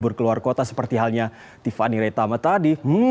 berkeluar kota seperti halnya tiffany retama tadi